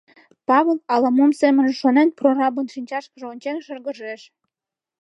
Павыл, ала-мом семынже шонен, прорабын шинчашкыже ончен шыргыжеш.